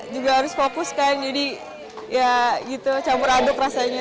juga harus fokus kan jadi ya gitu campur aduk rasanya